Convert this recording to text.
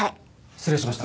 失礼しました。